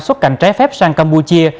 xuất cảnh trái phép sang campuchia